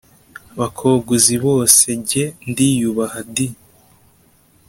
bakobwa uzi bose jye ndiyubaha di